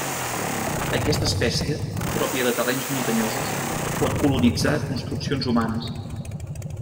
Aquesta espècie, pròpia de terrenys muntanyosos, pot colonitzar construccions humanes.